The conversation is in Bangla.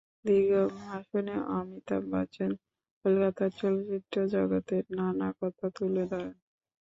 দীর্ঘ ভাষণে অমিতাভ বচ্চন কলকাতার চলচ্চিত্র জগতের নানা কথা তুলে ধরেন।